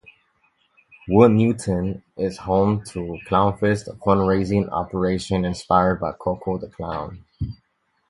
Woodnewton is home to 'Clownfest', a fundraising operation inspired by Coco the Clown.